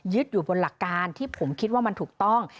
อยู่บนหลักการที่ผมคิดว่ามันถูกต้อง